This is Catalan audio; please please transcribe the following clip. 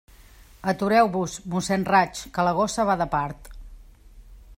Atureu-vos, mossén Raig, que la gossa va de part.